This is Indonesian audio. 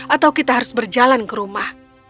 atau kita harus berjalan ke rumah